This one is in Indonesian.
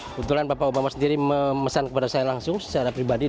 kebetulan bapak obama sendiri memesan kepada saya langsung secara pribadi